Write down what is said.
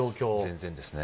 全然ですね